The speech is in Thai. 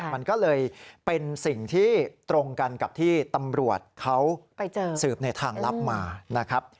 มันก็เลยเป็นสิ่งที่ตรงกันกับที่ตำรวจเขาสืบในทางลับมานะครับ